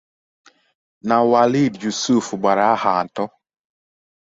na Wahlid Yusuf gbara ahọ atọ